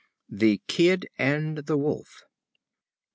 The Kid and the Wolf.